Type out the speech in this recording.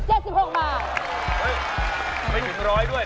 ไม่ถึง๑๐๐ด้วยคุณบอกว่าถึง๑๐๐